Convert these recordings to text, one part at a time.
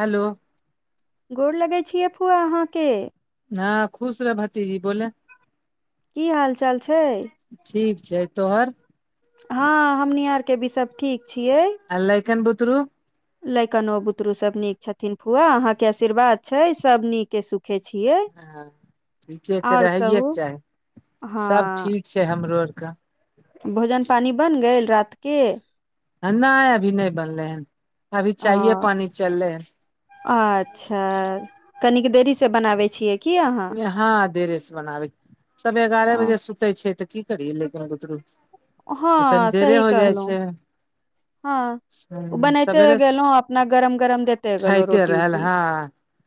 Hello गोर लागैत छियै फुआ अहाँके हँ खुश रह भतीजी बोल की हाल चाल छै ठीक छै तोहर हँ हमनी अरके भी सब ठीक छियै आ लैकन बुतुरु लैकन बुतुरु सब नीक छथिन फुआ अहा के आशीर्वाद छै सब नीक के सुख [unintelligible] हँ ठीके छै आओर रहैएके कहू चाही सब हँ ठीक छै हमरो अरक भोजन पानी बनि गेल रातिके नाए अभी नाए बनले हैन अभी चाय पानि चलले हैन अच्छ कनिक देरी से बनाबे छियै की अहाँ हन हँ देरे से बनाबै सभे अ, एगारह बजे सुते छै त की लैकन बुतुरु हँ सही कहलो हँ ओ हँ बनेते सबेरे गेलहो अपना गरम गरम देते गेलहुं रोटी उटी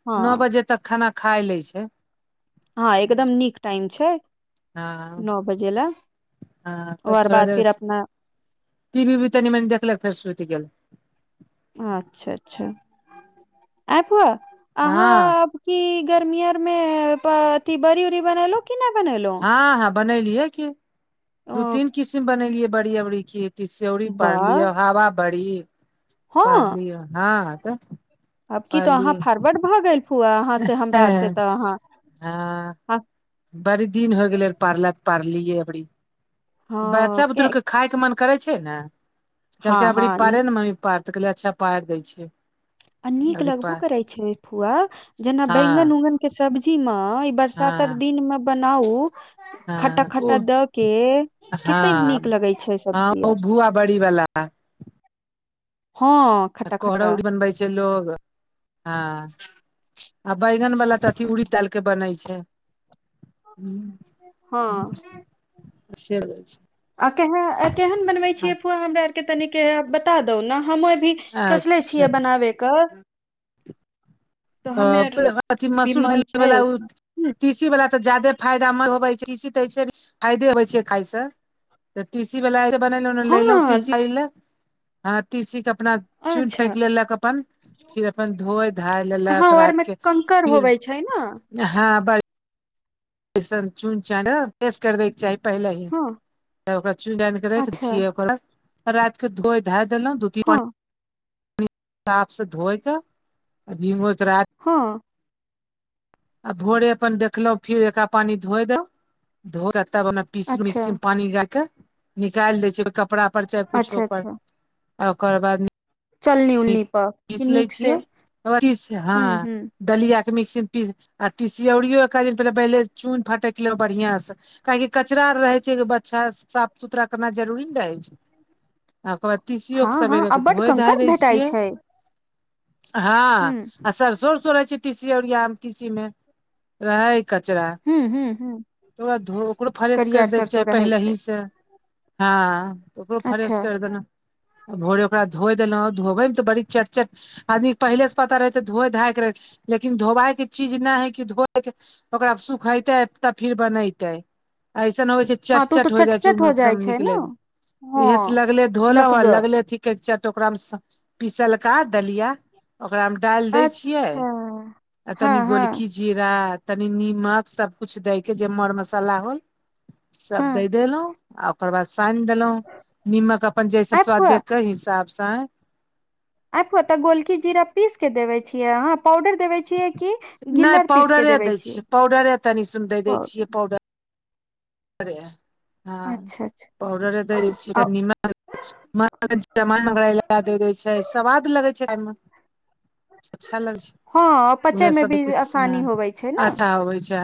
हँ नौ बजे तक खाना खाय ले छै हँ एकदम नीक टाइम छै [inaudible] नओ बजे गेलै हँ [unintelligible] तब ओकर थोड़ा बाद देर फिर अपना टी वी भी तनि मनि देखले फेर सुत गेल अच्छ अच्छ आइ फुआ हँ अहाँ कि गर्मी अर में अथी बड़ी उऊरी बनेलो की नहि बनेलो हँ हँ बनेलियए की ओ दू तीन किसिम बनेलियै बड़ी अबरी की तीसीयौरी पारलिय वाह हवा बड़ी पारलिय हँ तऽ। अबकी तो अहाँ पारलियै फोरवर्ड भए गेल फुआ अहाँ से हमरा आर से तऽ अहाँ हँ बड़ी दिन हो गेलै पारल तऽ पारलियै अबरी हँ बच्चा के बुतुरुके खायके मन करै छैय ने कहलकै हँ अबरी हँ पारे ने मम्मी पार तऽ कहलियै अच्छा पार दै छियै। आ नीक अबरी लगबो पार करे छैय फुआ जेना हँ बैंगन उंगन के सब्जी में बरसातक हँ दिनमे बनाउ खट्टा हँ ओ खट्टा दऽ के कतेक हँ नीक लगै छैय हँ सब्जी ओ आर भुआ बड़ी वाला हँ खट्टा खट्टा कोरगौर बनबै छैय लोग। हँ आ बैगन बाला तऽ अथी उड़ीद दाल के बनबै छैय। हूं हँ हूं से [unintelligible] आ के केहन बनबै छियै फुआ हमरा आरके तनिक बता दू ने हमें भी सोचले छियै बनाबैके। अथी भी मसूर मन छै [unintelligible] हुं, तीसी वला तऽ जाादे फायदामन्द होबै छैय तीसी तऽ ऐसे भी फायदे होबे छैय खाायस। तऽ तीसी वला जे बनेलहु लयलहुँ हँ तीसी लय ले हँ तीसी के अपना चुनि अच्छा पकि लेलक अपन फिर अपन धोए धाय हँ लेलक आरमे रतिके कंकड़ फिर होबै छै ने ह [unintelligible] [unintelligible] पहिलही हँ ओकरा चुनि चान के रख दै अच्छा छियै ओकरा रात के धोई धा देलहुं। हँ [unintelligible] से धोएके आ भीगो राति हँ आ भोरे अपन देखलहु फिर एकरा पानी धोए दव धोक तब ओना पीस अच्छा मिक्सी मे पानी गायके निकालि देै छैय कपड़ा पर चाहे कुछो अच्छा पर अच्छा आ ओकर बाद चलनी उलनी पर [unintelligible] पीस कि लै नीक से छियै हूँ हँ। हूँ दलिया के मिक्सी मे पीस आर तिसियोरियोके एक दिन पहिले पहिले चून फटक लेब बढ़ियांसे। ताकि कचरा आर रहै छैय बच्छा साफ सुथरा करना जरूरी ने रहै छैय। आ ओकर बाद हँ तीसियोके हँ आ सबेरेके बड धोए धा कंकड़ दै छी। भेटाइ छै हँ हूँ आ सरसो उरसो रहै छैय तीसी ओरिया मे तीसी में रहै कचरा। हूँ हूँ हूँ तऽ ओकरा धो ओकरो फ्रेश करियर करि दयके सरसो चाही रहै छै पहिलेसे हँ। ओकरो फ्रेश अच्छा करि देलहुँ भोरे ओकरा धोइ देलहुँ धोबयमे तऽ बड़ी चट चट आदमीके पहिले से पता रहै तऽ धोए धायके रह लेकिन धोबायके चीज नहि है कि धोएके ओकरा सुखेतै तब फिर बनैते ऐसन न होइ छैय। हँ चट तू तऽ चट हो जाइ छैय चटचट ओ जाइ एकदम छै ने निकले हँ इहेसे लगले धोलव आ लसगर लगले थी क चट ओकरामे पिसलका दलिया ओकरामे डालि दै छियै अच्छा आ हँ तनि हँ गोलखी जीरा तनि नीमक सबकुछु दै के जे मर मसाला होल सब हँ दै देलहुँ आ ओकर बाद सान देलहु निमक अपन जैस आबि हुआ स्वादके हिसाबसँ [unintelligible] गोलकी जीरा पीस के देबै छीयै अहां पाउडर देबै छियै कि नहि गिलर पीसके पाउडरे देबै दै छियै? पाउडरे तनि सुन [unintelligible] अच्छा अच्छा पाउडर दै [unintelligible] जरा लगा द दै छै स्वाद लगैत छै एहिमे [unintelligible] [inaudible] अच्छा लगै छै हँ उहै पचय मे सब भी आसानी होवे छै ने अच्छा होइ छै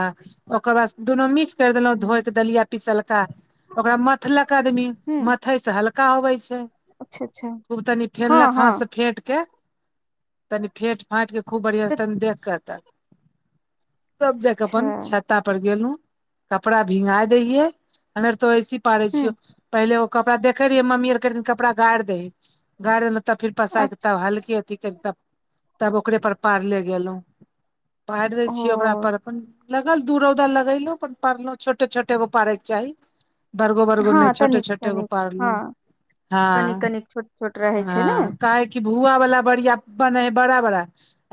ओकर बाद दुनू मिक्स कर देलहुं धोइ के दलिया पीसलका ओकरा मथलक आदमी ह मथइ से हल्का होबै छै अच्छा अच्छा खूब तनी हँ फेनलक हँ हाथ से फेट कै तनी फेट फाटकै खूब बढ़िया से तनी देखतऽ तब जाक अच्छा अपन छत्ता पर गेलहु कपड़ा भींगा दै हियै हमेर तो ओहिसँ पाड़य छियो ह पहिले ओ कपड़ा देखे रहियै मम्मी आर दिन कपड़ा गारि दहि है गारि देेल तब फिर पसायर के अच्छा तब हल्की अथी कर तब ओकरे पर पार ले गेलहु पारि दै छियै ओकरा ओ पर अपन लगल दू रौदा लगेलो अपन पड़लौ छोटे छोटे गो पारक चाहि बर्गो बरगो हँ नहि छोटे तनिक छोटेगो तनिक पारलहु हँ कनिक हाँ कनिक छोट पोट हँ कहे की भुआवला बरिया बनै हैय बड़ा बड़ा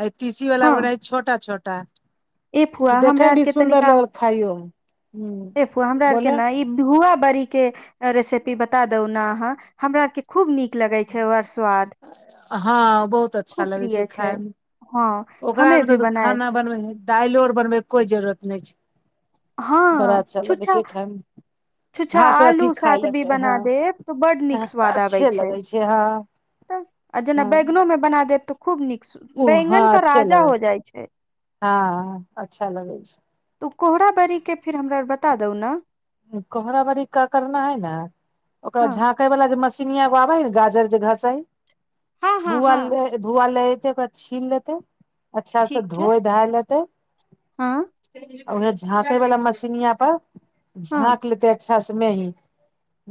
आ तीसी वाला हँ बनै हं छोटा छोटा ए फुआ कि हमरा देखेमे भी आरके सुन्दर तनिका लगल खाइयोमे हमरा आरके ने ई धुआ बड़ी के रेसिपी बता दू ने अहाँ हमरा आर के खूब नीक लगे छै ओर स्वाद हँ बहुत अच्छा खूब लगै प्रिय खाय छै मे हँ ओकरा हमे आरमे भी तऽ बनायब खाना बनबै हइ दालो आर बनबैके कोइ जरूरत नहि छै बड़ा हँ अच्छा लगे छुच्छा छै खायमे छुच्छा भात अथी आलू खा साथ भी लेते है बना देब तऽ बड नीक अच्छे लगै छै हं त आ जेना बैगनों में बना देब त खूब नीक ओ हँ बैंगन तऽ अच्छे राजा लगे हो जाइ छै हँ अच्छा लगै छै तऽ ओ कोहरा बरीके फेर हमरा बता दू ना कोहरा बरी का करना है न ओकरा हँ झाँक पके वाला जे मशीनिया जे एगो आबे है गाजर जे हँ [unintelligible] हँ हँ धुआ लए एते ओकरा छिल लेते अच्छा से ठीक छै धोए धा लेतै हँ उहै झाँकै वाला मशीनिया पर हँ झाँक लेतै अच्छा से मेही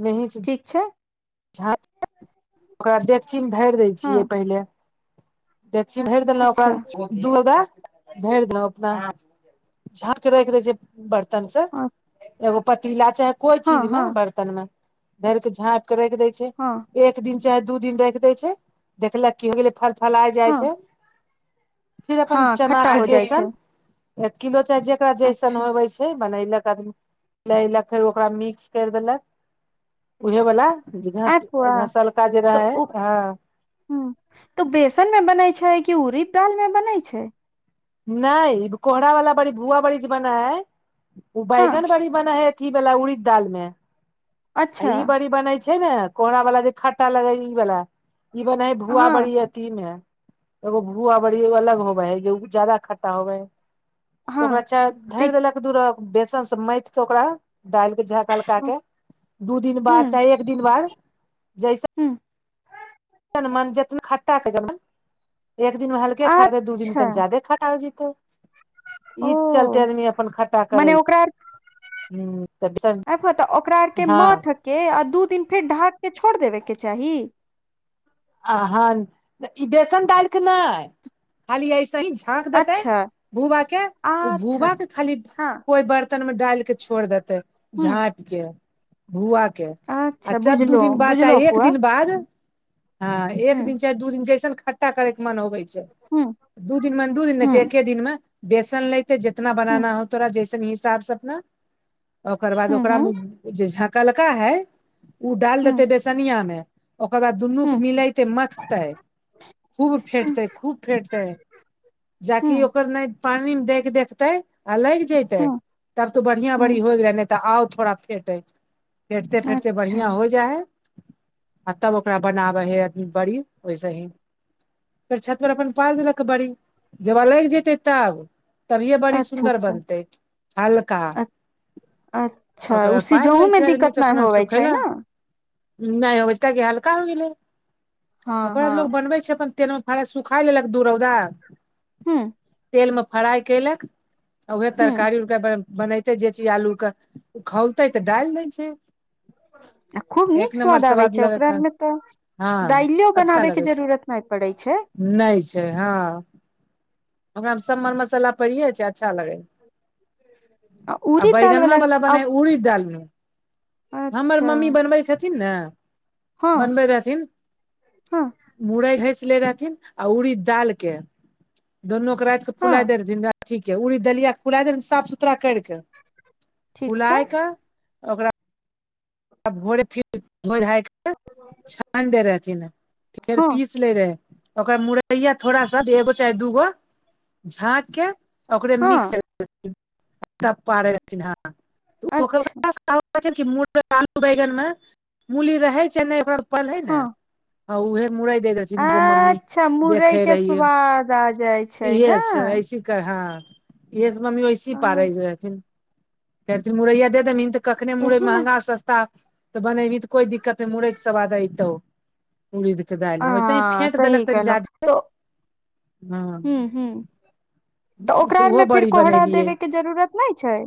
मेही से ठीक छै झाँ ओकरा डेकचीमे धरि दै छियै हँ पहिले देखची धरि देल ओकरा अच्छा दू धरि देलहु अपना झाँप के रखै द छै बत बर्तन से एगो पतीला चाहे कोई हँ चीज मे हँ बत बन मे धर के झाप के राखि दै छै हँ एक दिन चाहे दू दिन राख देै छै देखलक की हो गेलै फल फलाइ हँ जाइ छै फिर अपन हँ चना खट्टा के हो जाइ छै बेसन एक किलो चाय जेकरा जैसन अच्छा होवे छै बनलक आदमी लैलक फेर ओकरा मिक्स कर देलक उहे वला घ आ पुआ घसलका जे रह तऽ है ओ हँ ह तो बेसन में बनै छै कि उरीद दाल में बनै छै नहि कोहरा वाला बड़ी भुआ बड़ी जे बनाए है ओ हँ बैगन बड़ी बना है अथी बाल उड़िद दाल में आ अच्छा ई बारी बनै छै छै ने कोहरा वाला जे खट्टा लग ई वाला ई बने हैं भुआ हँ बरी है एगो भूआ बरी अलग होबै है ज्यादा खट्टा होबै है ओकरा हँ चार तऽ धरि देलक दूरा बेसन से माइथ के ओकरा डालिक के झाका ह दू दिन बाद चाहे एक दिन बाद जैसे ह्म तन मन जतन खाटा क ज एक दिन हलके खट दे दू दिन अच्छा तनी जादे खाटा हो जतै ओ ई चलते आदमी अपन खट्टा करे छै ह तऽ बेसन त ओकरा आर के हँ मत के आ दू दिन फेर ढाक के छोड़ देबे के चाही आहन ई बेसन डालिके ने खाली ऐसे ही थाक देते अच्छा भूआ के ओ अच्छा भूआ के अच्छा खाली हँ कोई बर्तन में डाल के छोड़ देते झाँप के भूआ के ह अच्छा दू बुझलो दिन बाद बुझलो चाही एक फुआ दिन बाद हँ ह एक दिन चाहे दू दिन जैसन खट्टा करे के मन होबे छै ह दू दिन मऽ दू दिन ह न त ह एके दिन मे बेसन लेते जितना बनाना ह हो तोरा जैसे नी हिसाबसँ अपना ओकर बाद ओकरा मे जे झकलका हय ओ डाल ह ह देते बेसनिया में ओकर बाद दुनू ह मिलैते मथतै खूब फेटतै खूब फेटतै हूँ जाकि ओकर नहि पानिमे देके देखतै आ लागि जेतै हूँ तब तो बढ़िआँ बढ़ी हूँ होइ गेलै नहि तऽ आउ थोड़ा फेटै फेटते फेटते अच्छा बढ़िआं हो जाइ हय आ तब ओकरा बनाबै हइद बड़ी ओहिसे ही फेर छत पर अपन पारि देलक बड़ी जब अलगि जेतै तब तभिए बड़ी अच्छा सुन्दर अच्छा बनते हल्का अ- अच्छा ओ ओकर पाइर लै सिझहुमे छै आदमी दिक्कत तऽ नहि अपना होबै सुखै छै लए ने नहि ओय से की हलका हो गेलय हँ ओकरा लोक हँ बनबै छै अपन तेल मे फड़ सुखा लेलक दू रौदा ह्म्म तेल मे फ्राई केलक आ उएहे हूँ तरकारी उरकार बनेते जे चीज आलू के खौलते तऽ डालि दै छै आ खूब एक नीक नम्बर स्वाद आबै छै लग ओकरा क आरमे तऽ हँ दाइलियो अच्छा बनाबयके लगै छै जरूरत नहि पड़ैत छै नहि छै हँ ओकरा मे सब मे मसाला पड़ियए जाय छै अच्छा लगे आ उड़ीद दाल बैगनमा वाला बला आ बना उड़ी दालमे हमर अच्छा मम्मी बनबै छथिन ने हँ हँ मुरै घस ले रहथिन आ उड़ीडाल के दोनू के राति के हँ फुला दे रहथिन ठीक ह उड़ी दलिया के फुला दे साफ सुथरा कर के ठीक छै फुलाय के ओकरा आ भोरे फिर धो धायके छैन दे रहथिन फेर हँ पीस ले रहे ओकर मुरैया थोड़ा सा एगो चाहे दूगो झाँक के ओकरे हँ मिक्स पथि हकर अच्छा कह छै मू आलू बैगनमे मूली रहै छै नहि ओक पलै हँ ने आ उहे मुड़इैै जगो मम्मी अच्छा मुरई देखे के रहियै स्वाद आ जाइ इहे ने छै ऐसे ह इह मम्मी वैसी पारे रहथिनथिन मुरैया दे दे कखने मुरै एहि ने मंहगा सस्ता तऽ बनेबही तऽ कोइ दिक्कत नहि मुरै के स्वाद अयतौ उड़दके दालमे वैसे ही आ फेँट देलक सही तनि जा्यदे हू हू तऽ ओकरा आर ओहो मे फेर बड़ी कोहरा बनेलियै देबे के जरूरत नहि छैय।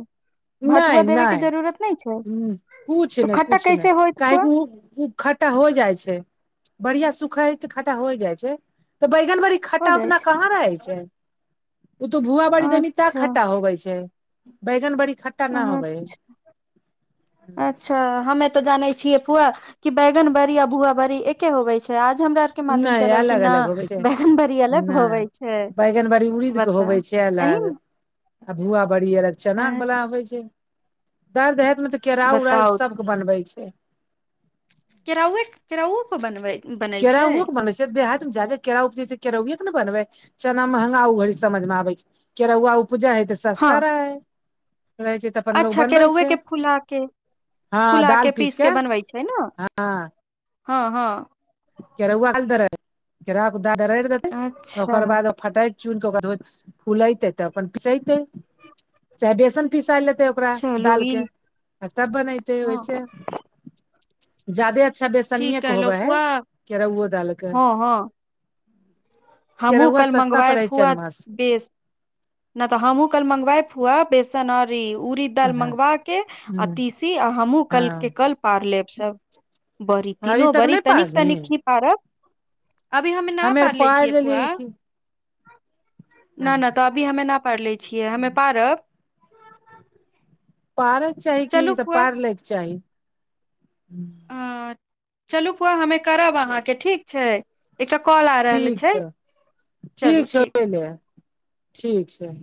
भतुआ नहि देबे के नहि जरूरत नहि छैय? ह कुछ नहि कुछ नहि कहे फुआ की ऊ ऊ खट्टा हो जाइ छैय बढ़िया सुखै हय तऽ खट्टा हो जाइ छैय तऽ बैगन बड़ी हो खट्टा जाइ उतना छै कहाँ रहै छैय ओ तो भुआ बड़ी दमी तै अच्छा खट्टा होबे छैय। बैगन बड़ी खट्टा ना होबै। हइ अच छा हमे तो जानै छियै पुआ कि बैगन बड़ी आ भुआ बड़ी एके होबै छैय आज हमरा के मालूम नहि चलल कि अलग अलग होबै नहि छै बैगन बड़ी अलग होवै छैय नहि बैगन बड़ी उड़ीद बताऊ। [unintelligible] आ भुआ बड़ी अलग चना बला होबै छैय दर देहातमे तऽ केराउ उराउ बताउ सबके बनबै छैय। केराउए केराउ पर बनबे। केराउहो के बनबै छ देहातमे जादे केराउ उपजय केराउए के ने बनबे चना महंगा ओ घड़ी समझ मे आबे छैय। केरौआ उपजै है तऽ हँ सस्ता रहै रहै छैय तऽ अपन लोग अच्छा बनबै केरोउए छै के फुला के फुला के पीस के बनबै छैय ने? हँ हँ केरउआ [unintelligible] केराउ दररी देतै अच्छा ओकर बाद फटैक चुन केऽ ओकरा धो फूलेते तऽ अपन पिसेते चाहे बेसन पिसा लेते ओकरा चलू ई दालके आ तब बनैते हँ वैसे जादे अच्छा ठीक बेसनियेके कहलौं होबै है फुआ केरहुओ दाल क हमहूँ कली मंगवायब पड़ै छै फुआ चनमास बेस नहि तऽ हमहुँ काल मंगवाय फुआ बेसन अर ई उरी दाल हँ मंगवा के आ तीसी आ हमहूँ कल के हँ कल पार लेब सब। बरी तीनो अभी तक बरी नहि तनिक तनिक पारली खी पारबीबी अभी हमना हमे आर पारले पारि छियै फुआ लेलियै की नही नहि तऽ अ अभी हमे ना पारले छियै हमे पारब पारैके चाही कि ई चलू सब फुआ पार लैके चाही। अ चलू फूआ हमे करब अहाँके ठीक छैय। एकटा कॉल आ रहल ठीक छैय छौ चलू ठीक [unintelligible] ठीक छैय।